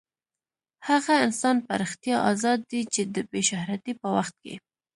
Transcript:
هغه انسان په رښتیا ازاد دی چې د بې شهرتۍ په وخت کې.